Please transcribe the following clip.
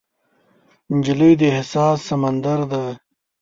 نجلۍ د احساس سمندر ده.